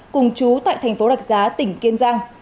cùng chú tại tp đạch giá tỉnh kiên giang